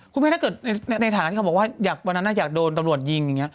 ถ้าเกิดในฐานะเขาบอกว่าวันนั้นอยากโดนตำรวจยิงอย่างนี้